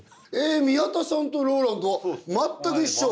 宮田さんとＲＯＬＡＮＤはまったく一緒。